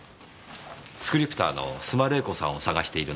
スクリプターの須磨玲子さんを捜しているんですが。